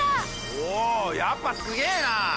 おやっぱすげぇな！